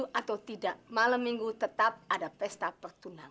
sebenarnya maksut ai kalau ada perestaanpsy obat aku kalau ada perestaanksfaan frrespons liar